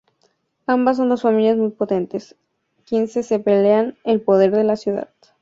Ambas son dos familias muy potentes, quienes se pelean el poder de la ciudad.